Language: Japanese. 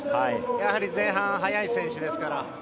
やはり前半速い選手です。